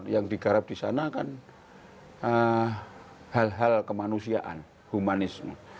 yang digarap di sana kan hal hal kemanusiaan humanisme